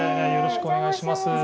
よろしくお願いします。